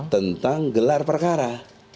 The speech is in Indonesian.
tentang gelar perkara